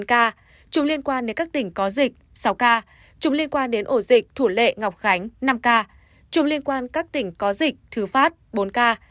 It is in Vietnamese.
chín ca chủng liên quan đến các tỉnh có dịch sáu ca chủng liên quan đến ổ dịch thủ lệ ngọc khánh năm ca chủng liên quan các tỉnh có dịch thứ phát bốn ca